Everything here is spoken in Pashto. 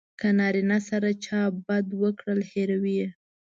که نارینه سره چا بد وکړل هیروي یې.